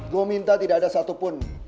gue minta tidak ada satupun